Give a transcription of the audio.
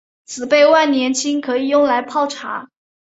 紫背万年青可以用来泡茶。